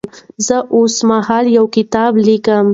زه اوس مهال یو کتاب لیکم.